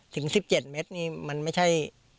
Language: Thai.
๑๗เมตรนี่มันไม่ใช่